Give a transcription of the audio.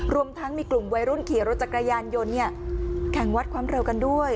รวมทั้งมีกลุ่มวัยรุ่นขี่รถจักรยานยนต์แข่งวัดความเร็วกันด้วย